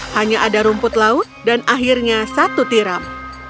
hanya ada rumput laut dan akhirnya satu tiram